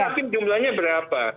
tapi hakim jumlahnya berapa